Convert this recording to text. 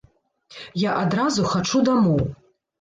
Я адразу хачу дамоў!